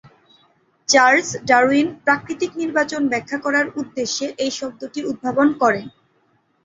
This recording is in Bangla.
চার্লস ডারউইন প্রাকৃতিক নির্বাচন ব্যাখ্যা করার উদ্দেশ্যে এই শব্দটি উদ্ভাবন করেন।